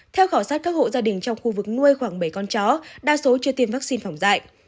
theo khảo sát các hộ gia đình trong khu vực nuôi khoảng bảy con chó đa số chưa tiêm vaccine phòng dạy